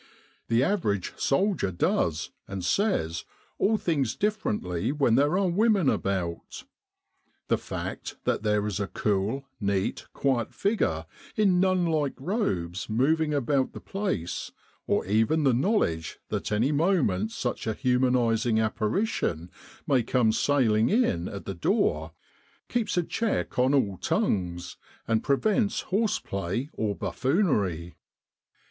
The average soldier does, and says, all things differently when there are women about. The fact that there is a cool, neat, quiet figure in nun like robes moving about the place, or even the knowledge that any moment such a humanising apparition may come sailing in at the door, keeps a check on all tongues, and prevents horseplay or buffoonery.